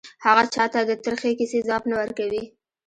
هغه چا ته د ترخې کیسې ځواب نه ورکوي